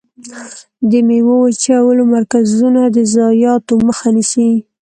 د ميوو وچولو مرکزونه د ضایعاتو مخه نیسي.